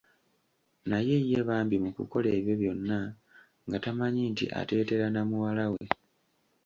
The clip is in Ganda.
Naye ye bambi mu kukola ebyo byonna nga tamanyi nti ateetera namuwalawe.